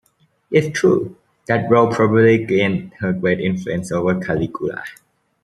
If true, that role probably gained her great influence over Caligula.